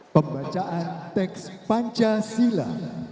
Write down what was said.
pembacaan teks pancasila